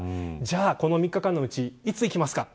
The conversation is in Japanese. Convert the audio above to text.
この３日間のうちいつ行きますか。